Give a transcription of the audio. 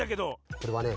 これはね